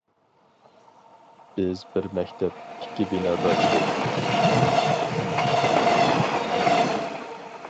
بىز بىر مەكتەپ، ئىككى بىنادا ئىدۇق.